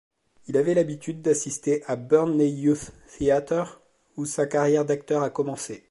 Il avait l'habitude d'assister à Burnley Youth Theatre, ou sa carrière d'acteur a commencé.